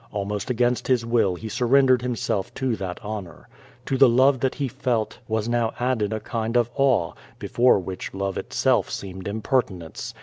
Almost against his will he surrendered liimself to that honor. To the love that he felt was now added a kind of awe, before which Love itself seemed imiYcrtinence.